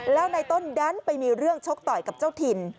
แล้วในต้นดันไปมีเรื่องชกต่อยกับเจ้าถิ่น